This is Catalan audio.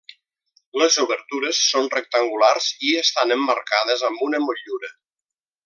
Les obertures són rectangulars i estan emmarcades amb una motllura.